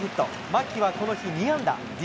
牧はこの日、２安打。